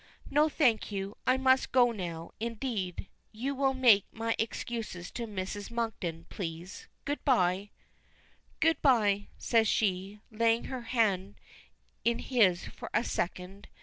"No, thank you. I must go now, indeed. You will make my excuses to Mrs. Monkton, please. Good bye." "Good bye," says she, laying her hand in his for a second.